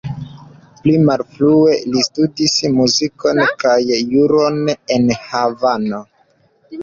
Pli malfrue li studis muzikon kaj juron en Havano.